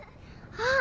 あっ。